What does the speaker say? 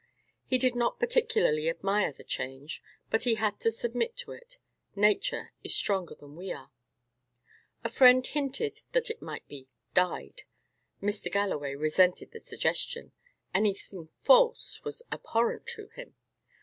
He did not particularly admire the change, but he had to submit to it. Nature is stronger than we are. A friend hinted that it might be "dyed." Mr. Galloway resented the suggestion: anything false was abhorrent to him.